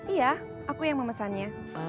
iya aku yang memesannya